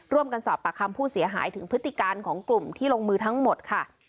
ร่วมกันสอบปากคำผู้เสียหายถึงพฤติการของกลุ่มที่ลงมือทั้งหมดค่ะ